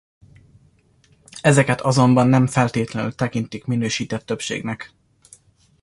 Ezeket azonban nem feltétlenül tekintik minősített többségnek.